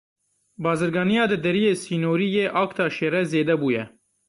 Bazirganiya di Deriyê Sînorî yê Aktaşê re zêde bûye.